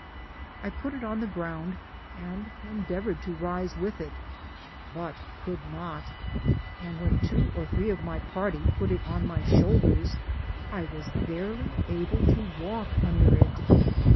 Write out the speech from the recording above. I put it on the ground, and endeavoured to rise with it, but could not, and when two or three of my party put it on my shoulders I was barely able to walk under it.